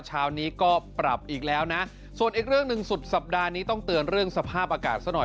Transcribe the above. เช้านี้ก็ปรับอีกแล้วนะส่วนอีกเรื่องหนึ่งสุดสัปดาห์นี้ต้องเตือนเรื่องสภาพอากาศซะหน่อย